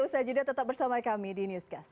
usha jidah tetap bersama kami di newscast